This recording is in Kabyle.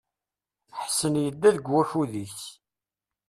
Ḥsen yedda deg wakud-is.